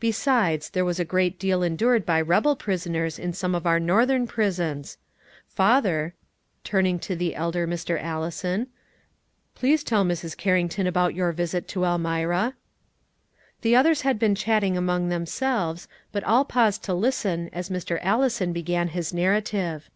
Besides, there was a great deal endured by rebel prisoners in some of our Northern prisons. Father," turning to the elder Mr. Allison, "please tell Mrs. Carrington about your visit to Elmira." The others had been chatting among themselves, but all paused to listen as Mr. Allison began his narrative.